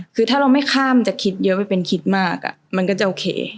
คือถ้าเราไม่ข้ามจะคิดเยอะไปเป็นคิดมากมันก็จะโอเค